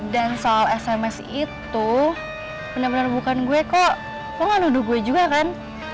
dan soal sms itu bener bener bukan gue kok lo nggak duduk gue juga kan